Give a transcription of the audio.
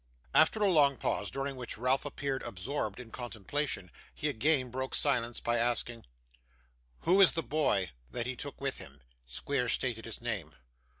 After a long pause, during which Ralph appeared absorbed in contemplation, he again broke silence by asking: 'Who is this boy that he took with him?' Squeers stated his name.